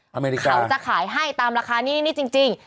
เขาจะขายให้ตามราคานี้นี่จริง